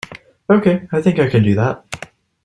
Okay, I think I can do that.